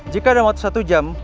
jika dalam waktu satu jam